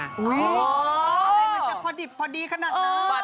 อะไรมันจะพอดีขนาดนั้น